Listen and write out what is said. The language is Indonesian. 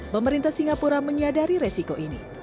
pemerintah singapura menyadari resiko ini